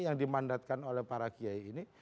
yang dimandatkan oleh para kiai ini